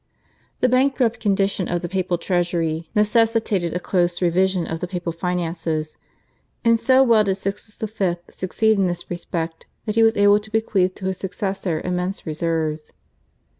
The bankrupt condition of the papal treasury necessitated a close revision of the papal finances, and so well did Sixtus V. succeed in this respect that he was able to bequeath to his successor immense reserves.